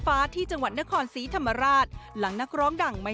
ก็ต้องให้ผมดูก่อนสิ